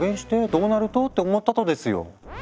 どうなると？って思ったとですよ。